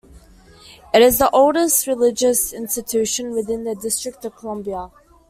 It is the oldest religious institution within the District of Columbia.